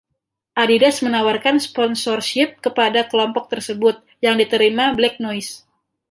Adidas menawarkan Sponsorship kepada kelompok tersebut, yang diterima Black Noise.